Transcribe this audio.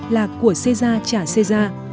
là của seja trả seja